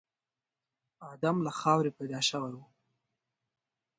ادم له خاورې پيدا شوی و.